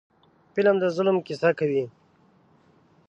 فلم د ظلم کیسه کوي